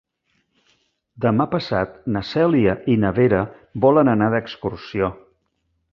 Demà passat na Cèlia i na Vera volen anar d'excursió.